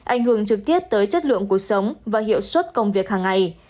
ảnh hưởng trực tiếp tới chất lượng cuộc sống và hiệu suất công việc hàng ngày